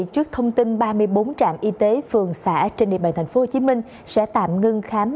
trước thông tin ba mươi bốn trạm y tế phường xã trên địa bàn tp hcm sẽ tạm ngưng khám